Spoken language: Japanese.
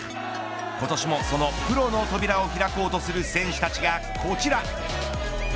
今年もそのプロの扉を開こうとする選手たちがこちら。